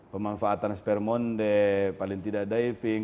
pemanfaatan spermonde paling tidak diving